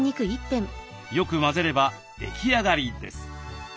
よく混ぜれば出来上がりです。